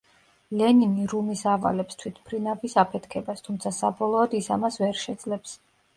ლენინი რუმის ავალებს თვითმფრინავის აფეთქებას, თუმცა საბოლოოდ ის ამას ვერ შეძლებს.